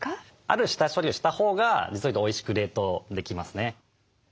ある下処理をしたほうが実を言うとおいしく冷凍できますね。